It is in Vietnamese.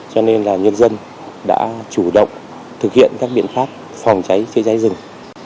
cho nên là nhân dân đã chủ động thực hiện các biện pháp phòng cháy chữa cháy rừng